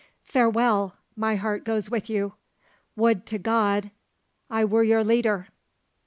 Farewell, my heart goes with you; would to God I were your leader!"